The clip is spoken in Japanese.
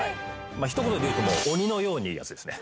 ひと言で言うともう鬼のようにいいやつですね。